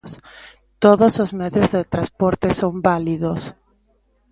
Todos os medios de transporte son válidos.